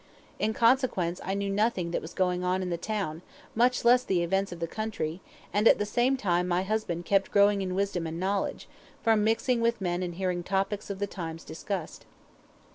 In consequence, I knew nothing that was going on in the town, much less the events of the country, and at the same time my husband kept growing in wisdom and knowledge, from mixing with men and hearing topics of the times discussed.